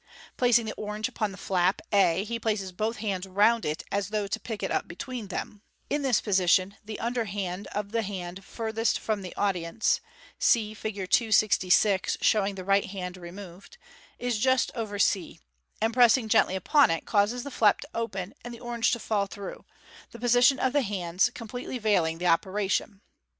Placing the orange upon the flap a, he places both hands round it as though to pick In this position the under the Fig. 266. it up between them. (See Fig. 265.) side of the hand furthest from the audience (see Fig. 266, showin right hand removed), is just over c, and pressing gently upon it, causes the flap to open, and the orange to fall through ; the position of the hands completely veil ing the operation.